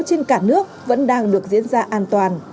trên cả nước vẫn đang được diễn ra an toàn